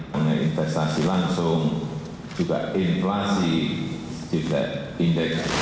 mengenai investasi langsung juga inflasi juga index